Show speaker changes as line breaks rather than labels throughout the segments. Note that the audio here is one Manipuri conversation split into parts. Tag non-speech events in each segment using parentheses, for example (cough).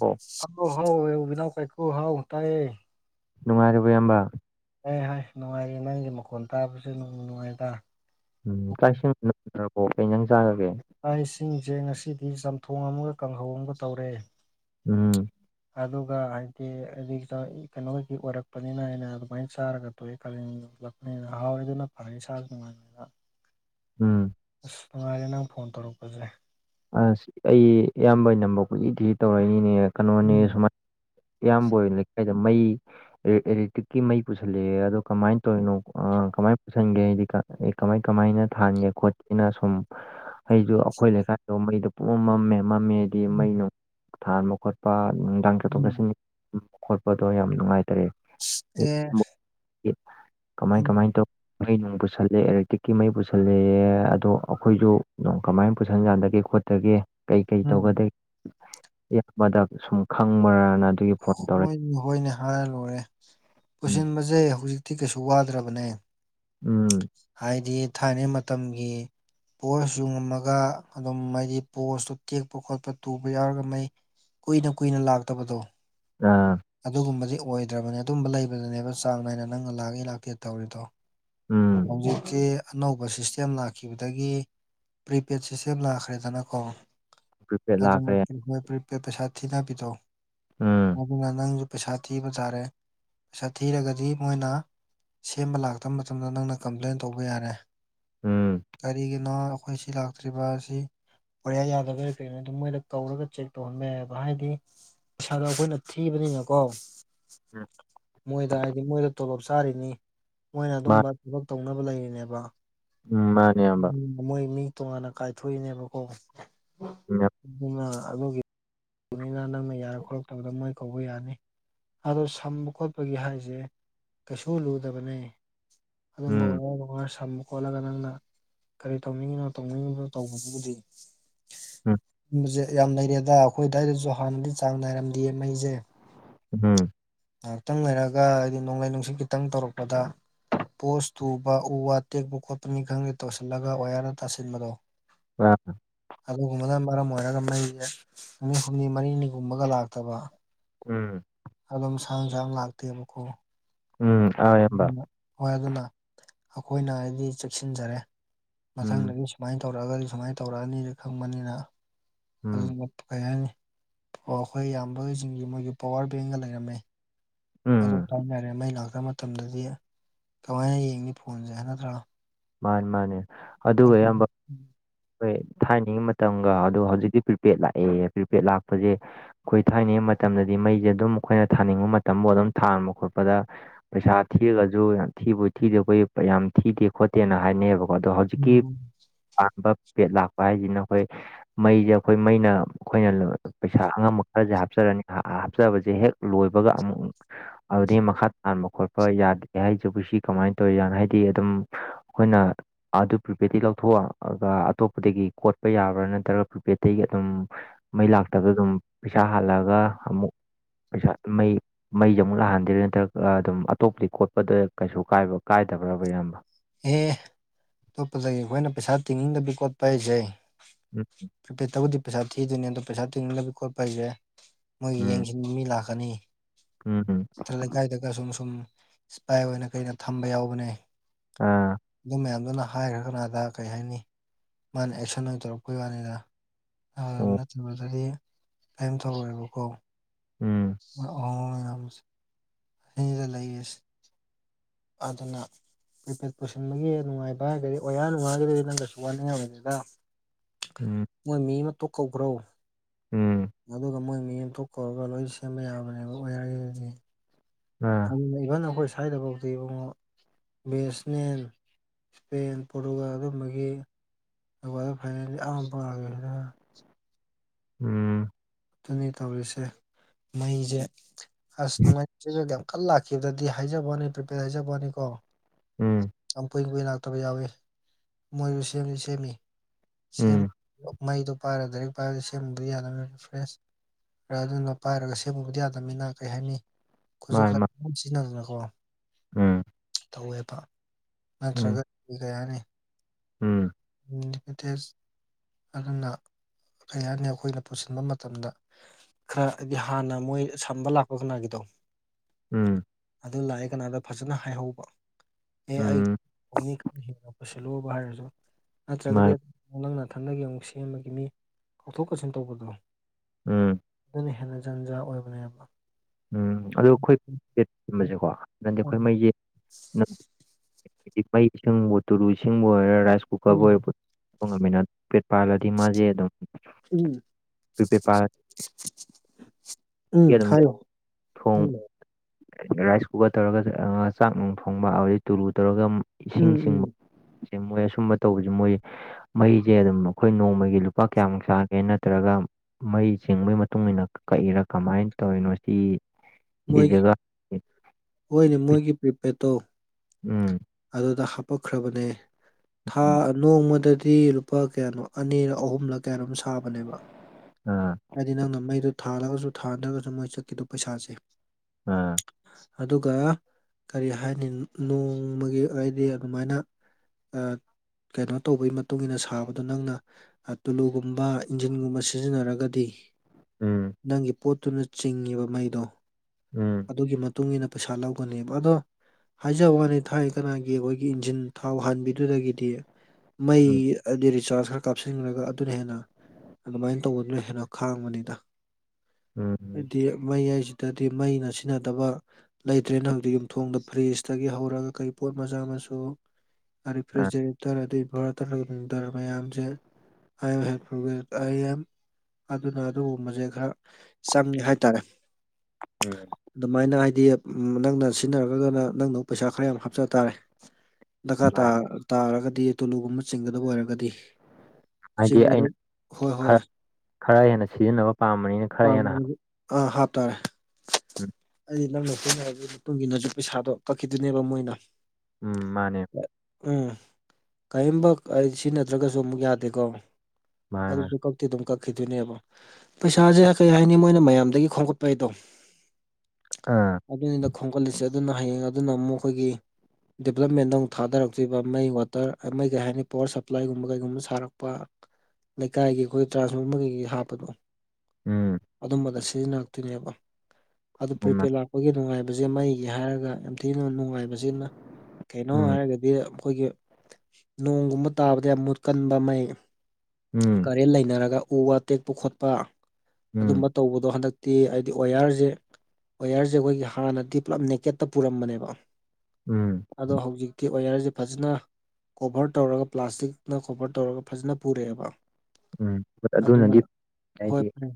ꯑꯣ
ꯍꯜꯂꯣ ꯍꯥꯎ ꯑꯕꯦꯅꯥꯎ ꯀꯥꯏꯀꯨ ꯍꯥꯎ ꯇꯥꯏꯌꯦ
ꯅꯨꯡꯉꯥꯏꯔꯤꯕ ꯏꯌꯥꯝꯕ
ꯍꯥꯏ ꯍꯥꯏ ꯅꯨꯡꯉꯥꯏꯔꯤ ꯅꯪꯒꯤ ꯃꯈꯣꯟ ꯇꯥꯕꯁꯨ ꯅꯨꯡꯕꯨ ꯅꯨꯡꯉꯥꯏꯗ
ꯎꯝ ꯆꯥꯛ ꯏꯁꯤꯡ ꯎꯅꯥꯗꯔ꯭ꯕꯣ ꯀꯩ ꯏꯟꯖꯥꯡ ꯆꯥꯔꯒꯦ
ꯆꯥꯛꯁꯤꯡꯁꯦ ꯉꯁꯤꯗꯤ ꯆꯝꯊꯣꯡ ꯑꯃꯒ ꯀꯥꯡꯍꯧ ꯑꯃꯒ ꯇꯧꯔꯦ
ꯎꯝ
ꯑꯗꯨꯒ ꯍꯥꯏꯗꯤ ꯑꯗꯨ ꯀꯩꯅꯣꯒꯤ ꯑꯣꯏꯔꯛꯄꯅꯤꯅ ꯑꯩꯅ ꯑꯗꯨꯃꯥꯏꯅ ꯆꯥꯔꯒ ꯇꯣꯏ ꯀꯥꯟꯂꯛꯄꯅꯤꯅ ꯍꯥꯎꯋꯦ ꯑꯗꯨꯅ ꯐꯅꯩ ꯏꯁ ꯅꯨꯡꯉꯥꯏꯅꯤꯅ
ꯎꯝ
ꯑꯁ ꯅꯨꯡꯉꯥꯏꯔꯦ ꯅꯪ ꯐꯣꯟ ꯇꯧꯔꯛꯄꯁꯦ
ꯑꯁ ꯑꯩ ꯏꯌꯥꯝꯕ ꯅꯝꯕꯔ ꯀꯏꯗꯤ ꯇꯧꯔꯛꯏꯅꯦ ꯀꯩꯅꯣꯅꯦ
ꯎꯝ
ꯁꯨꯃꯥꯏ ꯏꯌꯥꯝꯕ ꯑꯣꯏ ꯂꯩ ꯀꯥꯏꯗ ꯃꯩ ꯑꯦꯦꯛꯇꯤꯛꯀꯤ ꯃꯩ ꯄꯨꯁꯜꯂꯛꯑꯦ ꯑꯗꯣ ꯀꯃꯥꯏꯅ ꯇꯧꯔꯤꯅꯣ ꯀꯃꯥꯏꯅ ꯄꯨꯁꯟꯒꯦ ꯍꯥꯏꯗꯤ ꯑꯩ ꯀꯃꯥꯏ ꯀꯃꯥꯏꯅ ꯊꯥꯟꯒꯦ ꯈꯣꯠꯀꯦꯅ ꯁꯨꯝ ꯑꯩꯁꯨ ꯑꯩꯈꯣꯏ ꯂꯩꯀꯥꯏ ꯑꯗꯣ ꯃꯩꯗꯣ ꯄꯂ ꯃꯝꯃꯦ ꯃꯝꯃꯦꯗꯤ
ꯎꯝ
ꯃꯩꯅꯨꯡ ꯊꯥꯟꯕ ꯈꯣꯠꯄ ꯅꯨꯡꯗꯥꯡ ꯆꯠꯊꯣꯛ
ꯎꯝ
ꯆꯠꯁꯤꯟ ꯈꯣꯠꯄꯗꯣ ꯌꯥꯝ ꯅꯨꯡꯉꯥꯏꯇꯔꯦ
ꯑꯦ
ꯀꯃꯥꯏ
ꯎꯝ
ꯀꯃꯥꯏꯅ ꯇꯧ ꯃꯩ ꯅꯨꯡ ꯄꯨꯁꯜꯂꯦ ꯑꯦꯂꯦꯛꯇꯤꯔꯤꯛꯀꯤ ꯃꯩ ꯄꯨꯁꯜꯂꯛꯑꯦ ꯑꯗꯣ ꯑꯩꯈꯣꯏꯁꯨꯅꯨꯡ ꯀꯃꯥꯏꯅ ꯄꯨꯁꯟꯖꯥꯟꯗ ꯈꯣꯠꯇꯒꯦ ꯀꯩ ꯀꯩ
ꯎꯝ
ꯇꯧꯒꯗꯒꯦ ꯑꯌꯥꯝꯕꯗ ꯁꯨꯝ ꯈꯪꯕ꯭ꯔꯅ ꯑꯗꯨꯒꯤ ꯐꯣꯟ ꯇꯧꯔꯛꯏ
ꯍꯣꯏꯅꯦ ꯍꯣꯏꯅꯦ ꯍꯥꯏꯔ ꯂꯣꯏꯔꯦ
ꯎꯝ
ꯄꯨꯁꯤꯟꯕꯁꯦ ꯍꯧꯖꯤꯛꯇꯤ ꯀꯩꯁꯨ ꯋꯥꯗ꯭ꯔꯕꯅꯦ
ꯎꯝ
ꯍꯥꯏꯗꯤ ꯊꯥꯏꯅ ꯃꯇꯝꯒꯤ ꯄꯣꯁ ꯌꯨꯡꯉꯝꯃꯒ ꯑꯗꯨꯝ ꯍꯥꯏꯗꯤ ꯄꯣꯁꯇꯨ ꯇꯦꯛꯄ ꯈꯣꯠꯄ ꯇꯨꯕ ꯌꯥꯎꯔꯒ ꯃꯩ ꯀꯨꯏꯅ ꯀꯨꯏꯅ ꯂꯥꯛꯇꯕꯗꯣ
ꯑ
ꯑꯗꯨꯒꯨꯝꯕꯗꯤ ꯑꯣꯏꯗ꯭ꯔꯕꯅꯦ ꯑꯗꯨꯝꯕ ꯂꯩꯕꯗꯅꯦꯕ ꯆꯥꯡ ꯅꯥꯏꯅ ꯅꯪꯅ ꯂꯥꯛꯏ ꯂꯥꯛꯇꯦ ꯇꯧꯔꯤꯗꯣ
ꯎꯝ
ꯍꯧꯖꯤ ꯇꯤ ꯑꯅꯧꯕ ꯁꯤꯁꯇꯦꯝ ꯂꯥꯛꯈꯤꯕꯗꯒꯤ ꯄ꯭ꯔꯤꯄꯦꯗ ꯁꯤꯁꯇꯦꯝ ꯂꯥꯛꯈ꯭ꯔꯦꯗꯅꯀꯣ
ꯄ꯭ꯔꯤꯄꯦꯗ
ꯑꯗꯨꯗꯣ ꯃꯣꯏ
ꯂꯥꯛꯈ꯭ꯔꯦ
ꯄꯄ ꯄꯩꯁꯥꯤꯅ ꯄꯤ ꯇ
ꯎꯝ
ꯑꯗꯨꯅ ꯅꯪꯁꯨ ꯄꯩꯁꯥ ꯊꯤꯕ ꯖꯥꯔꯦ ꯄꯩꯁꯥ ꯊꯤꯔꯒꯗꯤ ꯃꯣꯏꯅ ꯁꯦꯝꯕ ꯂꯥꯛꯇꯕ ꯃꯇꯝꯗ ꯅꯪꯅ ꯀꯝꯄ꯭ꯂꯦꯟ ꯇꯧꯕ ꯌꯥꯔꯦ
ꯎꯝ
ꯀꯔꯤꯒꯤꯅꯣ ꯑꯩꯈꯣꯏ ꯁꯤ ꯂꯥꯛꯇ꯭ꯔꯤꯕ ꯑꯁꯤ ꯑꯣꯔꯤꯌꯥ ꯌꯥꯗꯕ ꯀꯩꯣ ꯑꯗꯨꯝ ꯃꯣꯏꯗ ꯀꯧꯔꯒ ꯆꯦꯛ ꯇꯧꯍꯟꯕ ꯌꯥꯏꯑꯕ ꯍꯥꯏꯗꯤ ꯄꯩꯁꯥꯗꯣ ꯑꯩꯈꯣꯏꯅ ꯊꯤꯕꯅꯤꯅꯀꯣ ꯃꯣꯏꯗ ꯍꯥꯏꯗꯤ ꯃꯣꯏꯗ ꯇꯣꯂꯣꯞ ꯆꯥꯔꯤꯅꯤ ꯃꯣꯏꯅ
ꯃꯥ
ꯑꯗꯨꯝꯕ ꯊꯕꯛ ꯇꯧꯅꯕ ꯂꯩꯔꯤꯅꯦꯕ
ꯎꯝ ꯃꯥ
ꯃꯣꯏ ꯃꯤ ꯇꯣꯉꯥꯟꯅ ꯀꯥꯏꯊꯣꯛꯏꯅꯦꯕꯀꯣ
ꯎꯝ
ꯑꯗꯨꯅ ꯑꯗꯨꯒꯤ ꯅꯤꯅ ꯅꯪꯅ ꯌꯥꯔꯛ ꯈꯣꯂꯛꯇꯕꯗ ꯃꯣꯏ ꯀꯧꯕ ꯌꯥꯅꯤ ꯑꯗꯣ ꯁꯝꯕ ꯈꯣꯠꯄꯒꯤ ꯍꯥꯏꯁꯦ ꯀꯩꯁꯨ ꯂꯨꯗꯕꯅꯦ ꯑꯗꯨꯝꯕ ꯑꯣꯔ
ꯎꯝ
ꯅꯨꯡꯉꯔ ꯁꯝꯃ ꯈꯣꯠꯂꯒ ꯅꯪꯅ ꯀꯔꯤ ꯇꯧꯅꯤꯡꯉꯤꯅꯣ ꯇꯧꯅꯤꯡꯉꯤꯕꯅꯣ ꯇꯧꯕꯁꯤꯕꯨꯗꯤ
ꯎꯝ
ꯁꯦ ꯌꯥꯝ ꯂꯩꯔꯦꯗ ꯑꯩꯈꯣꯏꯗꯋꯥꯏꯗꯁꯨ ꯍꯥꯟꯅꯗꯤ ꯆꯥꯡ ꯅꯥꯏꯔꯝꯗꯌꯦ ꯃꯩꯖꯦ
ꯎꯝ
ꯉꯥꯏꯍꯥꯛꯇꯪ ꯂꯩꯔꯒ ꯍꯥꯏꯗꯤ ꯅꯣꯡꯂꯩ ꯅꯨꯡꯁꯤꯠ ꯈꯤꯇꯪ ꯇꯧꯔꯛꯄꯗ ꯄꯣꯁ ꯇꯨꯕ ꯎ ꯋꯥ ꯇꯦꯛꯄ ꯈꯣꯠꯄꯅꯤ ꯈꯪꯗꯦ ꯇꯧꯁꯤꯜꯂꯒ ꯋꯥꯌꯥꯔꯅ ꯇꯥꯁꯤꯟꯕꯗꯣ
ꯔꯥꯐꯟ
ꯑꯗꯨꯒꯨꯝꯕꯅ ꯃꯔꯝ ꯑꯣꯏꯔꯒ ꯃꯩꯁꯦ ꯅꯨꯃꯤꯠ ꯍꯨꯝꯅꯤ ꯃꯔꯤꯅꯤꯒꯨꯝꯕꯒ ꯂꯥꯛꯇꯕ
ꯎꯝ
ꯑꯗꯨꯝ ꯁꯥꯡ ꯁꯥꯡ ꯂꯥꯛꯇꯦꯕꯀꯣ
ꯎꯝ ꯏꯌꯥꯝꯕ
ꯍꯣꯏ ꯑꯗꯨꯅ ꯑꯩꯈꯣꯏꯅ ꯑꯩꯗꯤ ꯆꯦꯛꯁꯤꯟꯖꯔꯦ
ꯎꯝ
ꯃꯊꯪꯗꯒꯤ ꯁꯨꯃꯥꯏꯅ ꯇꯧꯔꯛꯑꯒꯗꯤ ꯁꯨꯃꯥꯏꯅ ꯇꯧꯔꯛꯑꯅꯤꯅ ꯈꯪꯕꯅꯤꯅ
ꯎꯝ
ꯑꯗꯨꯅ ꯀꯔꯤ ꯍꯥꯏꯅꯤ ꯑꯩꯈꯣꯏ ꯏꯌꯥꯝꯕꯁꯤꯡ ꯃꯣꯏꯒꯤ ꯄꯋꯥꯔ ꯕꯦꯡꯒ ꯂꯩꯔꯝꯃꯦ ꯑꯗꯣ
ꯎꯝ
ꯄꯥꯏꯅꯔꯦ ꯃꯩ ꯂꯥꯛꯇꯕ ꯃꯇꯝꯗꯗꯤ ꯀꯃꯥꯏꯅ ꯌꯦꯡꯅꯤ ꯐꯣꯟꯁꯦ ꯍꯥꯏ ꯅꯠꯇ꯭ꯔꯣ
ꯃꯥꯅꯤ ꯃꯥꯅꯦ ꯑꯗꯨꯒ ꯑꯌꯥꯝꯕ ꯍꯣꯏ ꯊꯥꯏꯅꯉꯩ ꯃꯇꯝꯒ ꯑꯗꯣ ꯍꯧꯖꯤꯛꯇꯤ ꯄ꯭ꯔꯤꯄꯦꯗ ꯂꯥꯛꯑꯦ ꯄ꯭ꯔꯤꯄꯦꯗ ꯂꯥꯛꯄꯁꯦ ꯑꯩꯈꯣꯏ ꯊꯥꯏꯅꯉꯩ ꯃꯇꯝꯗꯗꯤ ꯃꯩꯁꯦ ꯑꯗꯨꯝ ꯑꯩꯈꯣꯏꯅ ꯊꯥꯅꯤꯡꯕ ꯃꯇꯝꯕꯨ ꯑꯗꯨꯝ ꯊꯥꯟꯕ ꯈꯣꯠꯄꯗ ꯄꯩꯁꯥ ꯊꯤꯔꯒꯁꯨ ꯌꯥꯝ ꯊꯤꯕ ꯊꯤꯗꯦ ꯑꯩꯈꯣꯏ ꯌꯥꯝ ꯊꯤꯗꯦ ꯈꯣꯠꯇꯦꯅ ꯍꯥꯏꯅꯩꯕꯀꯣ ꯑꯗꯣ ꯍꯧꯖꯤꯛꯀꯤ
ꯎꯝ
ꯄꯥꯟꯕ ꯄꯦꯠ ꯂꯥꯛꯄ ꯍꯥꯏꯁꯤꯅ ꯑꯩꯈꯣꯏ ꯃꯩꯁꯦ ꯑꯩꯈꯣꯏ ꯃꯩꯅ ꯑꯩꯈꯣꯏꯅ ꯄꯩꯁꯥ ꯑꯉꯝꯕ ꯈꯔꯁꯦ ꯍꯥꯞꯆꯔꯅꯤ ꯍꯥꯞꯆꯕꯁꯦ ꯍꯦꯛ ꯂꯣꯏꯕꯒ ꯑꯃꯨꯛ ꯑꯗꯨꯗꯒꯤ ꯃꯈꯥ ꯇꯥꯟꯕ ꯈꯣꯠꯄ ꯌꯥꯗꯦ ꯍꯥꯏꯖꯕꯨ ꯁꯤ ꯀꯃꯥꯏꯅ ꯇꯧꯔꯤꯖꯥꯠꯅꯣ ꯍꯥꯏꯗꯤ ꯑꯗꯨꯝ ꯑꯩꯈꯣꯏꯅ ꯑꯗꯨ ꯄ꯭ꯔꯤꯄꯦꯗꯇꯩ ꯂꯧꯊꯣꯛꯑꯒ ꯑꯇꯣꯞꯄꯗꯒꯤ ꯀꯣꯠꯄ ꯌꯥꯕ꯭ꯔꯥ ꯅꯠꯇ꯭ꯔꯒ ꯄ꯭ꯔꯤꯄꯦꯗꯇꯩꯒꯤ ꯑꯗꯨꯝ ꯃꯩ ꯂꯥꯛꯇꯕꯗ ꯑꯗꯨꯝ ꯄꯩꯁꯥ ꯍꯥꯜꯂꯛꯒ ꯑꯃꯨꯛ ꯄꯩꯁꯥ ꯃꯩ ꯃꯩꯁ ꯑꯃꯨꯛ ꯂꯥꯛꯍꯟꯗꯔꯤ ꯅꯠꯇ꯭ꯔꯒ ꯑꯗꯨꯝ ꯑꯇꯣꯞꯄꯗꯤ ꯈꯣꯠꯄꯗ ꯀꯩꯁꯨ ꯀꯥꯏꯗꯕ꯭ꯔꯕ ꯏꯌꯥꯝꯕ
ꯑꯦꯍ ꯑꯇꯣꯞꯄꯗꯒꯤ ꯑꯩꯈꯣꯏꯅ ꯄꯩꯁꯥ ꯇꯤꯡꯅꯤꯡꯗꯕꯤ ꯈꯣꯠꯄ ꯑꯩꯁꯦ
ꯎꯝ
ꯄ꯭ꯔꯤꯄꯦꯌꯔ ꯇꯧꯧꯕꯗꯤ ꯄꯩꯁꯥ ꯊꯤꯗꯣꯏꯅꯤ ꯑꯗꯣ ꯄꯩꯁꯥ ꯇꯤꯡꯅꯅꯕ ꯈꯣꯠꯄ ꯍꯥꯏꯁꯦ ꯃꯣꯏꯒꯤ
ꯎꯝ
ꯌꯦꯡꯁꯤꯟꯕ ꯃꯤ ꯂꯥꯛꯀꯅꯤ
ꯎꯝ ꯍꯝ
ꯃꯊꯛ ꯂꯩꯀꯥꯏꯗꯒ ꯁꯨꯝ ꯁꯨꯝ ꯏꯁꯄꯥꯏ ꯑꯣꯏꯅ ꯀꯩꯅ ꯊꯝꯕ ꯌꯥꯎꯕꯅꯦ
ꯑꯥ
ꯑꯗꯨ ꯃꯌꯥꯝꯗꯨꯅ ꯍꯥꯏꯈ꯭ꯔ ꯀꯅꯥꯗ ꯀꯔꯤ ꯍꯥꯏꯅꯤ ꯃꯥꯅ ꯑꯦꯛꯁꯟ ꯑꯣꯏꯅ ꯇꯧꯔꯛꯄꯩ ꯋꯥꯅꯤꯅ
ꯑꯣ
ꯅꯠꯇꯕꯗꯗꯤ ꯀꯝ ꯊꯣꯛꯂꯛꯑꯦꯕꯀꯣ
ꯎꯝ
ꯑ ꯌꯥꯝ ꯍꯗ ꯂꯩꯔꯤꯁꯤ ꯑꯗꯨꯅ ꯄ꯭ꯔꯤꯄꯦꯗ ꯄꯨꯁꯤꯟꯕꯒꯤ ꯅꯨꯡꯉꯥꯏ ꯍꯥꯏꯔꯒꯗꯤ ꯑꯣꯌꯥꯥ ꯅꯨꯡꯉꯥꯏꯒꯗꯗꯤ ꯅꯪꯒꯁꯨ ꯋꯥꯅꯤꯡꯉꯥꯏꯕꯅꯤꯗ
ꯎꯝ
ꯃꯣꯏ ꯃꯤ ꯑꯃ ꯇꯣꯛ ꯀꯧꯈ꯭ꯔꯣ
ꯎꯝ
ꯑꯗꯨꯒ ꯃꯣꯏ ꯃꯤ ꯌꯦꯟꯊꯣꯛ ꯀꯧꯔꯒ ꯂꯣꯏ ꯁꯦꯝꯕ ꯌꯥꯕꯅꯦꯕ ꯑꯣꯏꯍꯔꯒꯁꯗꯤ
ꯑꯥ
ꯏꯚꯟ ꯑꯩꯈꯣꯏ ꯁ꯭ꯋꯥꯏꯗꯐꯧꯗꯤꯤ ꯏꯕꯨꯡꯉꯣ ꯕꯦꯁꯃꯦꯟ ꯄꯦꯟ ꯄꯨꯔꯒ ꯑꯗꯨꯝꯕꯒꯤ ꯑꯗꯨꯒ ꯐꯥꯏꯅꯦꯜꯂꯤ ꯑ ꯄꯁꯤꯅ
ꯎꯝ
ꯑꯗꯨꯅꯤ ꯇꯧꯔꯤꯁꯦ ꯃꯩꯁꯦ ꯑꯁ ꯅꯨꯡꯉꯥꯏꯨ ꯀꯟꯅ ꯂꯥꯛꯈꯤꯕꯗꯗꯤ ꯍꯥꯏꯖꯕꯅꯤ ꯄ꯭ꯔꯤꯄꯦꯌꯔ ꯍꯥꯏꯖꯕꯅꯤ ꯀꯣ
ꯎꯝ
ꯌꯥꯝ ꯀꯨꯏꯅ ꯀꯨꯏꯅ ꯂꯥꯛꯇꯕ ꯌꯥꯎꯏꯤ ꯃꯣꯏꯁꯨ ꯁꯦꯝꯁꯨ ꯁꯦꯝꯃꯤ ꯁꯦꯝ
ꯎꯝ
ꯃꯩꯗꯣ ꯄꯥꯏꯔꯗ꯭ꯔ ꯄꯥꯏꯔ ꯁꯦꯝꯕꯕꯗꯤ ꯌꯥꯗꯕ ꯐ꯭ꯔꯦꯁ ꯑꯗꯨꯅ ꯄꯥꯏꯔꯒ ꯁꯦꯝꯃꯨꯕꯗꯤ ꯌꯥꯗꯕꯅꯤꯅ ꯀꯩ ꯍꯥꯏꯅꯤ ꯈꯨꯠꯁꯨ
ꯃꯥꯅꯤ
ꯈꯨꯂꯛ
ꯃꯥꯅꯤ
ꯌꯥꯝ ꯁꯤꯖꯤꯟꯅꯗꯅꯀꯣ
ꯎꯝ
ꯇꯧꯋꯦꯕ
ꯎꯝ
ꯅꯠꯇ꯭ꯔꯒꯗꯤ ꯀꯩ ꯍꯥꯏꯅꯤ
ꯎꯝ
ꯂꯤꯃꯤꯇꯦꯖ ꯑꯗꯨꯅ ꯀꯔꯤ ꯍꯥꯏꯅꯤ ꯑꯩꯈꯣꯏꯅ ꯄꯨꯁꯤꯟꯕ ꯃꯇꯝꯗ ꯈꯔ ꯍꯥꯏꯗꯤ ꯍꯥꯟꯅ ꯃꯣꯏ ꯁꯝꯕ ꯂꯥꯛꯄ ꯀꯅꯥꯒꯤꯗꯣ
ꯎꯝ
ꯑꯗꯨ ꯂꯥꯛꯑ ꯀꯥꯟꯗ ꯐꯖꯅ ꯍꯥꯏꯍꯧꯕ ꯑꯦ ꯑꯩ
ꯎꯝ
ꯄꯨꯛꯅꯤꯡ ꯈꯔ ꯍꯤꯡꯉꯛꯄꯁꯤ ꯂꯨꯕ ꯍꯥꯏꯔꯁꯨ
ꯃꯥꯅꯤ
ꯅꯠꯇ꯭ꯔꯒꯗꯤ ꯅꯪꯅꯊꯪꯅꯒꯤ ꯑꯃꯨꯛ ꯁꯦꯝꯃꯒꯤ ꯃꯤ ꯀꯥꯎꯊꯣꯛ ꯀꯧꯁꯤꯟ ꯇꯧꯕꯗꯣ
ꯎꯝ
ꯑꯗꯨꯅ ꯍꯦꯟꯅ ꯖꯟꯖꯥ ꯑꯣꯏꯕꯅꯦꯕ
ꯎꯝ ꯑꯗꯣ ꯑꯩꯈꯣꯏꯦ ꯆꯕꯁꯦꯀꯣ ꯅꯪꯗꯤ ꯑꯩꯈꯣꯏ
ꯎꯝ
ꯃꯩꯁꯦ ꯪ ꯃꯩ ꯏꯁꯤꯡꯕꯨ ꯇꯨꯔꯨ ꯏꯁꯤꯡꯕꯨ ꯑꯣꯏꯔ ꯔꯥꯏꯁ ꯀꯨꯀꯔꯕꯨ ꯑꯣꯏꯔ
ꯎꯝ
ꯉꯃꯤꯅ ꯄꯦꯠ ꯄꯥꯜꯂꯗꯤ ꯃꯥꯁꯦ ꯑꯗꯨꯝ
ꯎꯝ
ꯄ꯭ꯔꯤꯄꯦꯗ ꯄꯥꯜꯂꯗꯤ
ꯎꯝ
ꯑꯗꯨꯝ
ꯍꯥꯏꯣ
ꯊꯣꯡ ꯔꯥꯏꯁ ꯀꯨꯀꯔ ꯇꯧꯔꯒ ꯆꯥꯛ ꯅꯨꯡ ꯊꯣꯡꯕ ꯑꯗꯒꯤ ꯇꯨꯨꯔꯨ ꯇꯧꯔꯒ ꯏꯁꯤꯡ
ꯎꯝ ꯎꯝ
ꯆꯤꯡꯕꯁꯦ ꯃꯣꯏ ꯑꯁꯨꯝꯕ ꯇꯧꯕꯁꯦ ꯃꯣꯏ ꯃꯩꯁꯦ ꯑꯗꯨꯝ ꯑꯩꯈꯣꯏ ꯅꯣꯡꯃꯒꯤ ꯂꯨꯄꯥ ꯀꯌꯥꯃꯨꯛ ꯆꯥꯒꯦ ꯅꯠꯇ꯭ꯔꯒ ꯃꯩ ꯆꯤꯡꯕꯒꯤ ꯃꯇꯨꯡ ꯏꯟꯅ ꯀꯛꯏꯔꯥ ꯀꯃꯥꯏꯅ ꯇꯧꯔꯤꯅꯣ ꯁꯤ
ꯃꯣꯏꯒꯤ
ꯁꯤꯁꯤꯒ
ꯍꯣꯏꯅꯦ ꯃꯣꯏꯒꯤ ꯄ꯭ꯔꯤꯄꯦꯠꯇꯣ
ꯎꯝ
ꯑꯗꯨꯗ ꯄꯛꯈ꯭ꯔꯕꯅꯦ ꯊꯥ
ꯎꯝ
ꯅꯣꯡꯃꯗꯗꯤ ꯂꯨꯄꯥ ꯀꯌꯥꯅꯣ ꯑꯅꯤꯔꯛ ꯑꯍꯨꯝꯂꯛ ꯀꯌꯥꯔꯣꯝ ꯁꯥꯕꯅꯦꯕ
ꯑ
ꯍꯥꯏꯗꯤ ꯅꯪꯅ ꯃꯩꯗꯣ ꯊꯥꯜꯂꯒꯁꯨ ꯊꯥꯗ꯭ꯔꯒꯁꯨ ꯃꯣꯏ ꯆꯠꯈꯤꯗꯣ ꯄꯩꯁꯥꯁꯦ
ꯑꯥ
ꯑꯗꯨꯒ ꯀꯔꯤ ꯍꯥꯏꯅꯤ ꯅꯣꯡꯃꯒꯤ ꯍꯥꯏꯗꯤ ꯑꯗꯨꯃꯥꯏꯅ ꯀꯩꯅꯣ ꯇꯧꯕꯒꯤ ꯃꯇꯨꯡ ꯃꯇꯨꯡꯏꯟꯅ ꯁꯥꯕꯗꯣ ꯅꯪꯅ ꯇꯨꯂꯨꯒꯨꯝꯕ ꯏꯟꯖꯤꯟꯒꯨꯝꯕ ꯁꯤꯖꯤꯟꯅꯔꯒꯗꯤ
ꯎꯝ
ꯅꯪꯒꯤ ꯄꯣꯠꯇꯨꯅ ꯆꯤꯡꯉꯤꯕ ꯃꯩꯗꯣ
ꯎꯝ
ꯑꯗꯨꯒꯤ ꯃꯇꯨꯡ ꯏꯟꯅ ꯄꯩꯁꯥ ꯂꯧꯒꯅꯦꯕ ꯑꯗꯣ ꯍꯥꯏꯖꯕ ꯋꯥꯅꯤ ꯊꯥꯏ ꯀꯅꯥꯒꯤ ꯑꯩꯈꯣꯏꯒꯤ ꯏꯟꯖꯤꯟ ꯊꯥꯎ ꯍꯟꯕꯤꯗꯨꯗꯒꯤꯗꯤ ꯃꯩ
ꯎꯝ
ꯑꯗꯨ ꯆꯥ ꯈ ꯀꯥꯞꯁꯤꯟꯂꯒ ꯑꯗꯨꯅ ꯍꯦꯟꯅ ꯑꯗꯨꯃꯥꯏꯅ ꯇꯧꯕꯗꯨꯅ ꯍꯦꯟꯅ ꯈꯥꯡꯕꯅꯤꯗ
ꯎꯝ
ꯍꯥꯏꯗꯤ ꯃꯌꯥꯏꯁꯤꯗꯗꯤ ꯃꯩꯅ ꯁꯤꯟꯅꯗꯕ ꯂꯩꯇ꯭ꯔꯦꯅ ꯍꯧꯖꯤꯛꯇꯤ ꯌꯨꯝꯊꯣꯡꯗ ꯐ꯭ꯔꯤꯖꯇꯒꯤ ꯍꯧꯔꯒ ꯀꯔꯤ ꯄꯣꯠ ꯃꯆꯥ ꯃꯁꯨꯨ
ꯑ
ꯔꯤꯐ꯭ꯔꯔꯤꯖꯔꯦ ꯇꯔꯗꯤ ꯚꯥꯔꯠꯔꯔ ꯃꯌꯥꯝꯁꯦ ꯑꯥꯏ ꯑ ꯑꯥꯏ ꯑꯦꯝ ꯑꯗꯨꯅ ꯑꯗꯨꯒꯨꯝꯕꯁꯦ ꯈꯔ ꯆꯪꯉꯦ ꯍꯥꯏꯇꯥꯔꯦ
ꯎꯝ
ꯑꯗꯨꯃꯥꯏꯅ ꯍꯥꯏꯗꯤ ꯅꯪꯅ ꯁꯤꯖꯤꯟꯅꯔꯒꯗꯅ ꯅꯪꯅ ꯄꯩꯁꯥ ꯈꯔ ꯌꯥꯝ ꯍꯥꯞꯆ ꯇꯥꯔꯦ ꯗꯔꯀꯥꯔ ꯇ
ꯃꯥ-
ꯇꯥꯔꯒꯗꯤ ꯇꯨꯂꯨꯒꯨꯝꯕ ꯆꯤꯡꯒꯗꯕ ꯑꯣꯏꯔꯒꯗꯤ
ꯍꯥꯏꯗꯤ ꯑꯩꯅ
ꯆꯤꯡꯒꯗꯕ ꯍꯣꯏ ꯍꯣꯏ
ꯈ ꯈꯔ ꯍꯦꯟꯅ ꯁꯤꯖꯤꯟꯅꯕ ꯄꯥꯝꯕꯅꯤꯅ ꯈꯔ ꯍꯦꯟꯅ
ꯑ ꯍꯥꯞꯇꯣꯔꯦ
ꯎꯝ
ꯑꯩꯗꯤ ꯅꯪꯅ ꯍꯣꯠꯅꯔꯤꯕ ꯃꯇꯨꯡ ꯏꯟꯅꯁꯨ ꯄꯩꯁꯥꯗꯣ ꯀꯛꯈꯤꯗꯣꯏꯅꯦꯕ ꯃꯣꯏꯅ
ꯎꯝ ꯃꯥꯅꯦ
ꯑ ꯑꯪ ꯀꯌꯤꯝꯕꯧ ꯍꯥꯏꯗꯤ ꯁꯤꯖꯤꯟꯅ ꯗ꯭ꯔꯒꯁꯨ ꯑꯃꯨꯛ ꯌꯥꯗꯦꯀꯣ
ꯃꯥꯅꯦ ꯃꯥꯅꯦ
ꯑꯗꯨꯗꯨꯒ ꯇꯤ ꯑꯗꯨꯝ ꯀꯛꯈꯤꯗꯣꯏꯅꯦꯕ ꯄꯩꯁꯥꯁꯦ ꯀꯩ ꯍꯥꯏꯅꯤ ꯃꯣꯏꯅ ꯃꯌꯥꯝꯗꯒꯤ ꯈꯣꯝꯒꯠꯄ ꯍꯥꯏꯗꯣ
ꯑꯥ
ꯑꯗꯨꯅꯤꯗ ꯈꯣꯝꯒꯠꯂꯤꯁꯦ ꯑꯗꯨꯅ ꯍꯌꯦꯡ ꯑꯗꯨꯅ ꯑꯃꯨꯛ ꯑꯩꯈꯣꯏꯒꯤ ꯗꯤꯕꯂꯞꯃꯦꯟꯗ ꯑꯃꯨꯛ ꯊꯥꯗꯔꯛꯇꯣꯏꯔꯤꯕ ꯃꯩ ꯋꯥꯇꯔ ꯃꯩ ꯀꯩ ꯍꯥꯏꯅꯤ ꯄꯋꯥꯔ ꯁꯄ꯭ꯂꯥꯏꯒꯨꯝꯕ ꯀꯩꯒꯨꯝꯕ ꯁꯥꯔꯛꯄ ꯂꯩꯀꯥꯏꯒꯤ ꯑꯩꯈꯣꯏ ꯇ꯭ꯔꯥꯟꯁꯐꯣꯔꯃꯔꯒꯤ ꯍꯥꯞꯄꯗꯣ
ꯎꯝ
ꯑꯗꯨꯝꯕꯗ ꯁꯤꯖꯤꯟꯅꯔꯛꯇꯣꯏꯅꯦꯕ ꯑꯗꯨ
ꯎꯝ
ꯄ꯭ꯔꯤꯄꯦꯌꯔ ꯂꯥꯛꯄꯒꯤ ꯅꯨꯡꯉꯥꯏꯕꯁꯦ ꯃꯩꯒꯤ ꯍꯥꯏꯔꯒ ꯌꯥꯝ ꯊꯤꯅ ꯅꯨꯡꯉꯥꯏꯕꯁꯤꯅ ꯀꯩꯅꯣ
ꯎꯝ
ꯍꯥꯏꯔꯒꯗꯤ ꯑꯩꯈꯣꯏꯒꯤ ꯅꯣꯡꯒꯨꯝꯕ ꯇꯥꯕꯗ ꯌꯥꯝ ꯃꯨꯠꯀꯟꯕ ꯃꯩ
ꯎꯝ
ꯀꯔꯦꯟ ꯂꯩꯅꯔꯒ ꯎ ꯋꯥ ꯇꯦꯛꯄ ꯈꯣꯠꯄ
ꯎꯝ
ꯑꯗꯨꯝꯕ ꯇꯧꯕꯗꯣ ꯍꯟꯗꯛꯇꯤ ꯍꯥꯏꯗꯤ ꯑꯣꯌꯥꯔ ꯖꯦ ꯑꯣꯌꯥꯔꯁꯦ ꯑꯩꯈꯣꯏꯒꯤ ꯍꯥꯟꯅꯗꯤ ꯄꯨꯂꯞ ꯅꯦꯀꯦꯠꯇ ꯄꯨꯔꯝꯕꯅꯦꯕ
ꯎꯝ
ꯑꯗꯣ ꯍꯧꯖꯤꯛꯇꯤ ꯑꯣꯌꯥꯔꯁꯦ ꯐꯖꯅ ꯀꯣꯚꯔ ꯇꯧꯔꯒ ꯄ꯭ꯂꯥꯁꯇꯤꯛꯅ ꯀꯣꯚꯔ ꯇꯧꯔꯒ ꯐꯖꯅ ꯄꯨꯔꯛꯑꯦꯕ
ꯎꯝ
ꯑꯗꯨꯅ
ꯑꯗꯨꯅꯗꯤ
ꯍꯣꯏ
ꯍꯥꯏꯗꯤ
ꯐꯔꯦ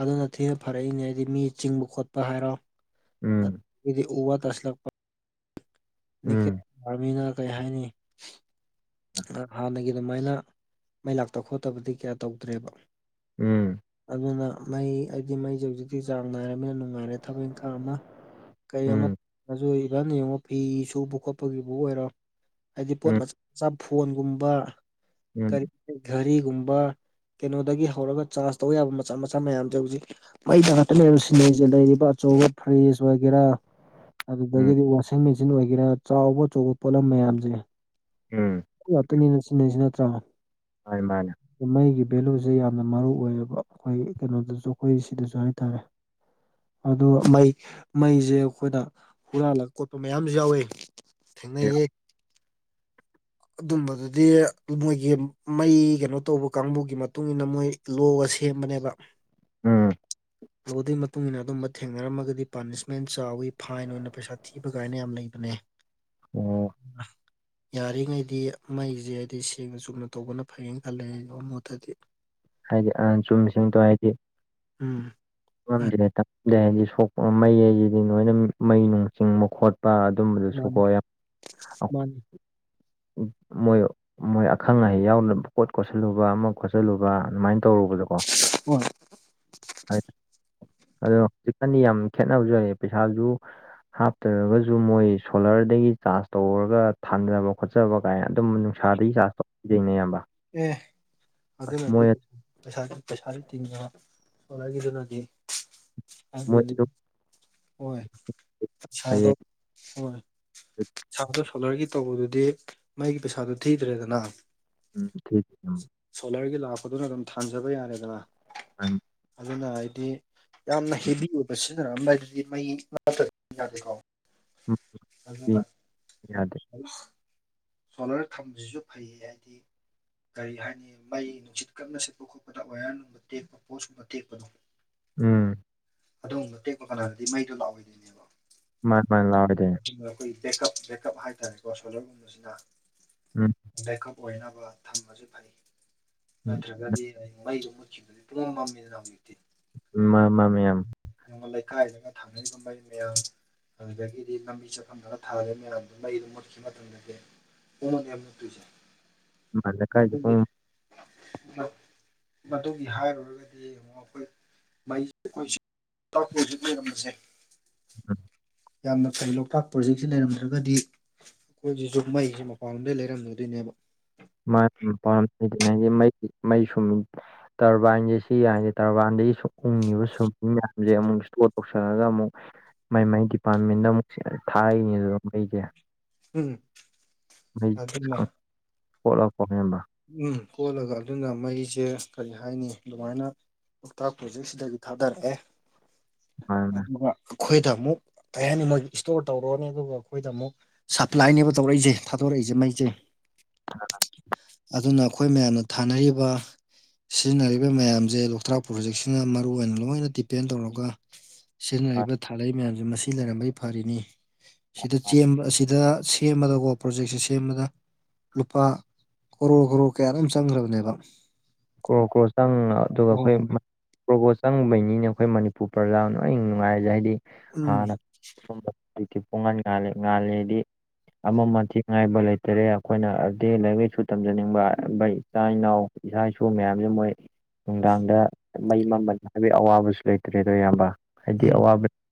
ꯑꯗꯨꯅ ꯊꯤꯅ ꯐꯔꯛꯏꯅꯦ ꯍꯥꯏꯗꯤ ꯃꯤ ꯆꯤꯡꯕ ꯈꯣꯠꯄ ꯍꯥꯏꯔꯣ ꯑ
ꯎꯝ
ꯗꯤ ꯎ ꯋꯥ ꯇꯥꯁꯤꯜꯂꯛꯄ ꯅꯦꯀꯦꯠ
ꯎꯝ
ꯑꯥꯔꯃꯤꯅ ꯀꯩ ꯍꯥꯏꯅꯤ ꯍꯥꯟꯅꯒꯤ ꯑꯗꯨꯃꯥꯏꯅ ꯃꯩ ꯂꯥꯛꯇ ꯈꯣꯠꯇꯕꯗꯤ ꯀꯌꯥ ꯇꯧꯗ꯭ꯔꯦꯕ
ꯎꯝ
ꯑꯗꯨꯅ ꯃꯩ ꯍꯥꯏꯗꯤ ꯃꯩꯁꯦ ꯍꯧꯖꯤꯛꯇꯤ ꯆꯥꯡ ꯅꯥꯏꯔꯕꯅꯤꯅ ꯅꯨꯡꯉꯥꯏꯔꯦ ꯊꯕꯛ ꯏꯪꯈꯥꯡ ꯑꯃ ꯀꯩ ꯑꯃ
ꯎꯝ
ꯑꯗꯨ ꯏꯚꯟ ꯌꯦꯡꯉꯣ ꯐꯤ ꯁꯨꯕ ꯈꯣꯠꯄꯒꯤꯕꯨ ꯑꯣꯏꯔꯣ ꯍꯥꯏꯗꯤ ꯄꯣꯠ
ꯎꯝ
ꯃꯆꯥ ꯐꯣꯟꯒꯨꯝꯕ
ꯎꯝ
ꯀꯔꯤ ꯘꯔꯤꯒꯨꯝꯕ ꯀꯩꯅꯣꯗꯒꯤ ꯍꯧꯔꯒ ꯆꯥꯖ ꯇꯧꯕ ꯌꯥꯕ ꯃꯆꯥ ꯃꯆꯥ ꯃꯌꯥꯝꯗꯣ ꯍꯧꯖꯤꯛ ꯃꯩꯗ ꯉꯥꯛꯇꯅꯦꯕ ꯁꯤꯖꯤꯟꯅꯔꯤꯁꯦ ꯂꯩꯔꯤꯕ ꯑꯆꯧꯕ ꯐ꯭ꯔꯤꯖ ꯑꯣꯏꯒꯦꯔꯥ
ꯎꯝ
ꯑꯗꯨꯗꯒꯤꯗꯤ ꯋꯥꯁꯤꯡ ꯃꯦꯆꯤꯟ ꯑꯣꯏꯒꯦꯔꯥ ꯆꯥꯎꯕ ꯑꯆꯧꯕ ꯄꯣꯠꯂꯝ ꯃꯌꯥꯝꯁꯦ
ꯎꯝ
ꯌꯥꯇꯅꯤꯅꯦ ꯁꯤꯖꯤꯟꯅꯩꯁꯦ ꯅꯠꯇ꯭ꯔꯥ
ꯍꯣꯏ ꯃꯥꯅꯦ
ꯃꯩꯒꯤ ꯚꯦꯂꯨꯁꯦ ꯌꯥꯝꯅ ꯃꯔꯨ ꯑꯣꯏꯌꯦꯕ ꯑꯩꯈꯣꯏ ꯀꯩꯅꯣꯗꯁꯨ ꯑꯩꯈꯣꯏ ꯁꯤꯗꯁꯨ ꯍꯥꯏꯇꯥꯔꯦ ꯑꯗꯣ ꯃꯩ ꯃꯩꯁꯦ ꯑꯩꯈꯣꯏꯗ ꯍꯨꯔꯥꯜꯂ ꯈꯣꯠꯄ ꯃꯌꯥꯝꯁꯨ ꯌꯥꯎꯏ ꯊꯦꯡꯅꯩꯌꯦ ꯑꯗꯨꯝꯕꯗꯨꯗꯤ ꯃꯣꯏꯒꯤ ꯃꯩ ꯀꯩꯅꯣ ꯇꯧꯕ ꯀꯥꯡꯕꯨꯒꯤ ꯃꯇꯨꯡ ꯏꯟꯅ ꯃꯣꯏ ꯂꯣ ꯁꯦꯝꯕꯅꯦꯕ
ꯎꯝ
ꯂꯣ ꯗꯨꯏ ꯃꯇꯨꯡ ꯏꯟꯅ ꯑꯗꯨꯝꯕ ꯊꯦꯡꯅꯔꯝꯃꯒꯗꯤ ꯄꯥꯅꯤꯁꯃꯦꯟ ꯆꯥꯎꯋꯤ ꯐꯥꯏꯟ ꯑꯣꯏꯅ ꯄꯩꯁꯥ ꯊꯤꯕ ꯀꯥꯏꯅ ꯌꯥꯝꯅ ꯂꯩꯕꯅꯦ
ꯑꯣ
ꯌꯥꯔꯤ ꯉꯩꯗꯤ ꯃꯩꯁꯦ ꯍꯥꯏꯗꯤ ꯁꯦꯡꯅ ꯆꯨꯝꯅ ꯇꯧꯕꯅ ꯐꯩꯌꯦꯅ ꯈꯜꯂꯦ (unintelligible) ꯃꯣꯠꯇꯗꯤ
ꯍꯥꯏꯗꯤ ꯑ ꯆꯨꯝꯃꯤꯁꯤꯡ ꯇꯣ ꯍꯥꯏꯗꯤ
ꯎꯝ
ꯉꯝꯗ꯭ꯔꯦ ꯇꯝꯗ꯭ꯔꯦ ꯍꯥꯏꯗꯤ ꯁꯣꯛꯄ ꯃꯩ ꯍꯥꯏꯁꯤꯗꯤ ꯂꯣꯏꯅ ꯃꯩ ꯅꯨꯡ ꯆꯤꯡꯕ ꯈꯣꯠ ꯄꯥ ꯑꯗꯨꯝꯕꯗ ꯁꯣꯛ
ꯃꯥꯅꯤ ꯃꯥꯅꯤ
(unintelligible) ꯃꯣꯏ ꯑꯈꯪ ꯑꯍꯩ ꯌꯥꯎꯗꯅ ꯄꯨꯡ ꯀꯣꯠ ꯀꯣꯠꯁꯤꯜꯂꯨꯕ ꯑꯃ ꯈꯣꯠꯆꯜꯂꯨꯕ ꯑꯗꯨꯃꯥꯏꯅ ꯇꯧꯔꯨꯕꯗꯀꯣ
ꯎꯝ
ꯑꯗꯣ ꯍꯧꯖꯤꯛꯀꯥꯟꯗꯤ ꯌꯥꯝ ꯈꯦꯠꯅꯕꯁꯨ ꯂꯩꯑꯦ ꯄꯩꯁꯥꯁꯨ ꯍꯥꯞꯇꯔꯒꯁꯨ ꯃꯣꯏ ꯁꯣꯂꯔꯗꯒꯤ ꯆꯥꯔꯖ ꯇꯧꯔꯒ ꯊꯥꯟꯕ ꯌꯥꯕ ꯈꯣꯠ ꯆꯕ ꯀꯥꯏꯅ ꯑꯗꯨꯝꯕ ꯅꯨꯡꯁꯥꯗꯒꯤ ꯆꯥꯔꯖ ꯇꯧꯗꯨꯏꯅꯦꯕ
ꯑꯦ ꯑꯗꯨꯗꯅꯗꯤ ꯄꯩꯁꯥꯒꯤ ꯄꯩꯁꯥꯗꯤ ꯇꯤꯡꯉ ꯑꯣꯔꯈꯤꯗꯨꯅꯗꯤ
ꯃꯣꯏ
ꯑꯌꯕꯦꯗꯤ ꯍꯣꯏ ꯄꯩꯁꯥꯗꯣ ꯍꯣꯏ ꯏꯁꯥꯗꯣ ꯁꯣꯂꯔꯒꯤ ꯇꯧꯕꯗꯨꯗꯤ ꯃꯩꯒꯤ ꯄꯩꯁꯥꯗꯨꯣ ꯊꯤꯗ꯭ꯔꯦꯗꯅ
ꯎꯝ (unintelligible)
ꯁꯣꯂꯔꯒꯤ ꯂꯥꯛꯄꯗꯨꯅ ꯑꯗꯨꯝ ꯊꯥꯟꯖꯕ ꯌꯥꯔꯦꯗꯅ
(unintelligible)
ꯑꯗꯨꯅ ꯑꯩꯗꯤ ꯌꯥꯝꯅ ꯍꯦꯚꯤ ꯑꯣꯏꯕ ꯁꯤꯖꯤꯟꯅꯔꯝ ꯗꯥꯏꯗꯗꯤ ꯃꯩ (unintelligible) ꯌꯥꯗꯦꯀꯣ
ꯎꯝ
ꯑꯗꯨꯅ
ꯌꯥꯗꯦ
(unintelligible) ꯁꯣꯂꯔ ꯊꯝꯕꯁꯤꯁꯨ ꯐꯩꯌꯦ ꯍꯥꯏꯗꯤ ꯀꯔꯤ ꯍꯥꯏꯅꯤ ꯃꯩ ꯅꯨꯡꯁꯤꯠ ꯀꯅ ꯁꯦꯠꯄ ꯈꯣꯠꯄꯗ ꯋꯥꯌꯥꯔꯒꯨꯝꯕ ꯇꯦꯛꯄ ꯄꯣꯠ ꯁꯨꯝꯕ ꯇꯦꯛꯄꯗꯣ
ꯎꯝ
ꯑꯗꯨꯒꯨꯝꯕ ꯇꯦꯛꯄ ꯀꯥꯟꯗꯗꯤꯩꯗꯣ ꯂꯥꯛꯑꯣꯏꯗꯣꯏꯅꯦꯕ
ꯃꯥꯥꯟ (unintelligible)
ꯑꯩꯈꯣꯏꯒꯤ ꯕꯦꯀꯞ ꯕꯦꯀꯞ ꯍꯥꯏꯇꯥꯔꯦꯀꯣ ꯁꯣꯂꯔꯒꯨꯝꯕꯁꯤꯅ
ꯎꯝ
ꯕꯦꯀꯞ ꯑꯣꯏꯅꯕ ꯊꯝꯕꯁꯨ ꯐꯩ
ꯎꯝ
ꯅꯠꯇ꯭ꯔꯒꯗꯤ ꯑ ꯃꯩꯗꯣ ꯃꯨꯠꯈꯤꯕꯗꯨ ꯀꯨꯝꯕ ꯃ ꯃꯤꯅꯝꯗꯤ
ꯃꯥ ꯃꯥ ꯃꯌꯥꯝꯝ
ꯅ ꯂꯩꯀꯥꯏꯗꯒ ꯊꯥꯅꯔꯤꯕ ꯃꯩ ꯃꯌꯥꯝ ꯑꯗꯨꯗꯒꯤꯗꯤ ꯂꯝꯕꯤ ꯆꯠꯂꯝꯗꯒ ꯊꯥꯔꯦ ꯃꯌꯥꯝꯗꯣ ꯂꯩꯩꯗꯨꯣ ꯃꯨꯠꯈꯤꯕ
ꯃꯥ ꯂꯩꯀꯥꯏꯁꯤ
ꯃꯇꯝꯗꯗꯤ
ꯄꯨꯡ
(unintelligible) ꯃꯗꯨꯒꯤ ꯍꯥꯏꯔꯨꯔꯒꯗꯤ ꯑꯃꯛ ꯑꯩꯈꯣꯏꯩ (unintelligible)
ꯎꯝ
ꯌꯥꯝꯅ ꯐꯩ ꯂꯣꯛꯇꯥꯛ ꯄ꯭ꯔꯣꯖꯦꯛꯁꯤ ꯂꯩꯔꯝꯗ꯭ꯔꯒꯗꯤ ꯑꯩꯈꯣꯏꯁꯤꯁꯨ ꯃꯩꯁꯤ ꯃꯄꯥꯟꯂꯣꯝꯗꯒꯤꯩ ꯂꯩꯔꯝꯒꯗꯣꯏꯅꯦꯕ
ꯃꯥ ꯄꯥꯝꯉꯒꯤ ꯃꯩ ꯃꯩ ꯁꯨꯝ ꯇꯔꯕꯥꯏꯟꯁꯦ ꯁꯤ ꯌꯥꯁꯦ ꯇꯔꯕꯥꯏꯟꯗꯒꯤ ꯁ ꯎꯡꯉꯤꯕ ꯁꯨꯝꯤꯡ ꯃꯌꯥꯝꯁꯦ ꯑꯃꯨꯛ ꯏꯁꯇꯣꯔ ꯇꯧꯁꯜꯂꯒ ꯑꯃꯨꯛ ꯃꯥꯏ ꯃꯥꯏ ꯗꯤꯄꯥꯔꯠꯃꯦꯟꯗ ꯑꯃꯨꯛ ꯊꯥꯛꯅꯦ ꯑꯗꯨ ꯑꯩꯁ
ꯎꯝ ꯑꯗꯨꯅ
ꯄꯂꯞꯄꯉꯕ
ꯎꯝ ꯀꯣꯜꯂꯒ ꯑꯗꯨꯅ ꯃꯩꯁꯦ ꯀꯔꯤ ꯍꯥꯏꯅꯤ ꯑꯗꯨꯃꯥꯏꯅ ꯂꯣꯛꯇꯥꯛ ꯄ꯭ꯔꯣꯖꯦꯛꯁꯤꯗꯒꯤ ꯊꯥꯗꯔꯛꯑꯦ
ꯃꯥꯅ
ꯑꯗꯨꯒ ꯑꯩꯈꯣꯏꯗ ꯑꯃꯨꯛ ꯀꯩ ꯍꯥꯏꯅꯤ ꯃꯣꯏ ꯏꯁꯇꯣꯔ ꯇꯧꯔꯛꯅꯤ ꯑꯗꯨꯒ ꯑꯩꯈꯣꯏꯗ ꯑꯃꯨꯛ ꯁꯄ꯭ꯂꯥꯏꯅꯦꯕ ꯇꯧꯔꯛꯏꯁꯦ ꯊꯥꯗꯣꯔꯛꯏꯁꯦ ꯃꯩꯁꯦ
ꯎꯝ
ꯑꯗꯨꯅ ꯑꯩꯈꯣꯏ ꯃꯌꯥꯝꯅ ꯊꯥꯅꯔꯤꯕ ꯁꯤꯖꯤꯟꯅꯔꯤꯕ ꯃꯌꯥꯝꯁꯦ ꯂꯣꯛꯇꯥꯛ ꯄ꯭ꯔꯣꯖꯦꯛꯁꯤꯅ ꯃꯔꯨꯑꯣꯏ ꯑꯣꯏꯅ ꯂꯣꯏꯅ ꯗꯤꯄꯦꯟ ꯇꯧꯔꯒ ꯁꯤꯖꯤꯟꯅꯔꯤꯕ ꯊꯥꯔꯛꯩ ꯃꯌꯥꯝꯁꯦ ꯃꯁꯤ ꯂꯩꯔꯝꯕꯩ ꯐꯔꯤꯅꯤ ꯁꯤꯗ ꯆꯦꯟꯕ ꯑꯁꯤꯗ ꯁꯦꯝꯕꯗꯀꯣ ꯄ꯭ꯔꯣꯖꯦꯛꯁꯦ ꯁꯦꯝꯕꯗ ꯂꯨꯄꯥ ꯀꯣꯔ ꯀꯣꯔ ꯀꯌꯥ ꯑꯗꯨꯝ ꯆꯪꯈ꯭ꯔꯕꯅꯦꯕ
ꯀ꯭ꯔꯣ ꯀ꯭ꯔꯣ ꯆꯪ ꯑꯗꯨꯒ
ꯑꯣ
ꯑꯩꯈꯣꯏ
ꯍꯣꯏ
ꯄ꯭ꯔꯣꯒꯣ ꯆꯪꯉꯨꯕꯩꯅꯤꯅ ꯑꯩꯈꯣꯏ ꯃꯅꯤꯄꯨꯔ ꯄ꯭ꯔꯖꯥ ꯂꯣꯏ ꯅꯨꯡꯉꯥꯏꯔꯁꯦ ꯍꯥꯏꯗꯤ
ꯎꯝ
ꯍꯥꯟꯅ ꯁꯨꯝꯕ ꯑꯗꯨꯗꯤ ꯄꯨꯡꯍꯟꯥꯂꯦ ꯉꯥꯜꯂꯦꯗꯤ ꯑꯃ ꯑꯤ ꯉꯥꯏꯕ ꯂꯩꯇꯔꯦ ꯑꯩꯈꯣꯏꯅꯗꯤ ꯂꯥꯏꯔꯤꯛ ꯂꯥꯏꯁꯨ ꯇꯝꯖꯅꯤꯡꯕ ꯏꯆꯥ ꯏꯅꯥꯎ ꯏꯁꯥ ꯏ ꯁ ꯃꯌꯥꯝꯁꯦ ꯃꯣꯏ ꯅꯨꯡꯗꯥꯡꯗ ꯃꯩ ꯃꯃꯟ ꯍꯥꯏꯕꯒꯤ ꯑꯋꯥꯕꯁꯨ ꯂꯩꯇ꯭ꯔꯦ ꯑꯗꯣ ꯏꯕ ꯍꯥꯏꯗꯤ
ꯎꯝ
ꯑꯋꯥꯕ